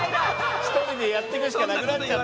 １人でやっていくしかなくなっちゃう。